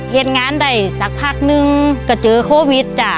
เพียงงานที่ได้สักภาคหนึ่งก็เจอโควิดจ้า